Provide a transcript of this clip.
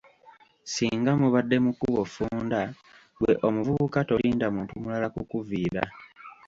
Singa mubadde mu kkubo ffunda ggwe omuvubuka tolinda muntu mulala kukuviira.